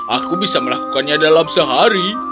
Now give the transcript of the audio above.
aku bisa melakukannya dalam sehari